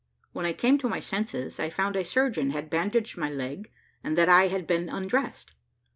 When I came to my senses, I found a surgeon had bandaged my leg, and that I had been undressed.